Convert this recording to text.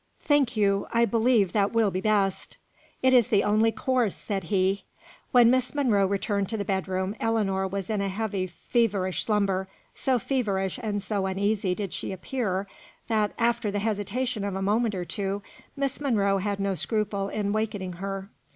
"Thank you! I believe that will be best." "It is the only course," said he. When Miss Monro returned to the bedroom, Ellinor was in a heavy feverish slumber; so feverish and so uneasy did she appear, that, after the hesitation of a moment or two, Miss Monro had no scruple in wakening her.